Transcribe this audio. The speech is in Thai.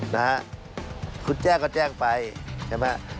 นะฮะคุณแจ้งก็แจ้งไปใช่ไหม